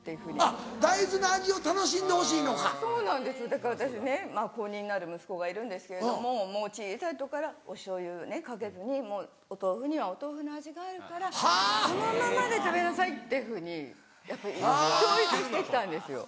だから私ね高２になる息子がいるんですけども小さい時からお醤油かけずにお豆腐にはお豆腐の味があるからそのままで食べなさいってふうにやっぱり教育して来たんですよ。